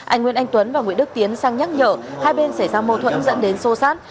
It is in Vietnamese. anh nguyễn anh tuấn và nguyễn đức tiến sang nhắc nhở hai bên xảy ra mâu thuẫn dẫn đến sô sát